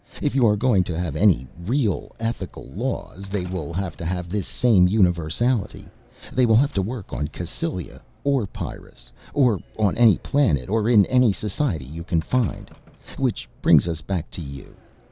If you are going to have any real ethical laws they will have to have this same universality. They will have to work on Cassylia or Pyrrus, or on any planet or in any society you can find. Which brings us back to you.